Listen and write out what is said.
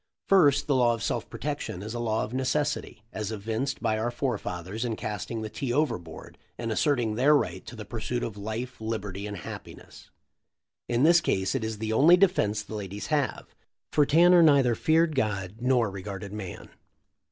First, the law of self protection is a law of necessity, as evinced by our forefathers in casting the tea overboard and asserting their right to the pursuit of life, liberty, and happiness. In this case it is the only defense the ladies have, for Tanner neither feared God nor regarded man.